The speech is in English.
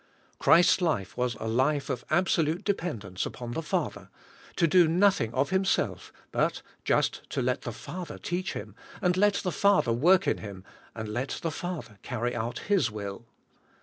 Christ's life was a life of absolute dependence upon the Fa ther, to do nothing of Himself, but just to let the Father teach Him, and let the Father work in Him, and let the Father carry out His will.